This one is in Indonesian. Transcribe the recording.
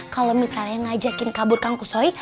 kalau misalnya ngajakin kabur kang kusoi